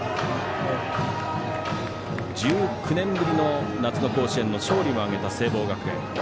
１９年ぶりの夏の甲子園の勝利を挙げた聖望学園。